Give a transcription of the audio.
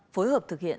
phối hợp thực hiện